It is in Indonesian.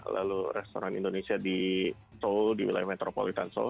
lalu restoran indonesia di seoul di wilayah metropolitan seoul